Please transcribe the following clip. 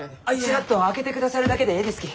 チラッと開けてくださるだけでえいですき。